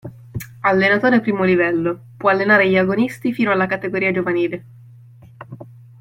Allenatore I° livello, può allenare gli agonisti fino alla categoria giovanile.